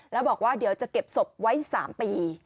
แล้วบอกว่าเดี๋ยวจะเก็บศพไว้๓ปี